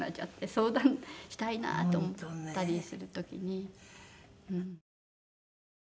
相談したいなと思ったりする時に。